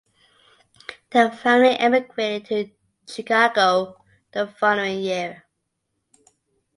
The family emigrated to Chicago the following year.